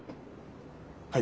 はい。